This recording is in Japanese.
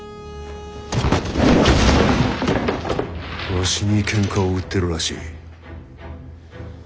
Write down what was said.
わしにけんかを売ってるらしい。